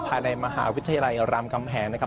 ภายในมหาวิทยาลัยรามคำแหงนะครับ